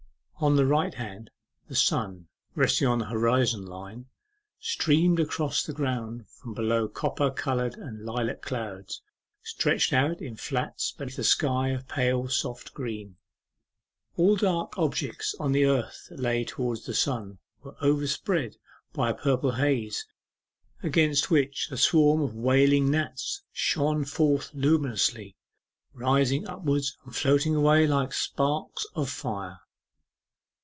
On the right hand the sun, resting on the horizon line, streamed across the ground from below copper coloured and lilac clouds, stretched out in flats beneath a sky of pale soft green. All dark objects on the earth that lay towards the sun were overspread by a purple haze, against which a swarm of wailing gnats shone forth luminously, rising upward and floating away like sparks of fire.